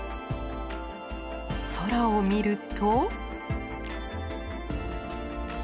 空を見ると。